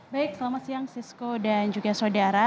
baik selamat siang sisko dan juga saudara